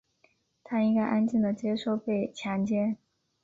她应该安静地接受被强奸。